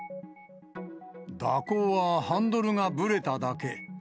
蛇行はハンドルがぶれただけ。